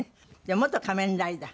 元仮面ライダー。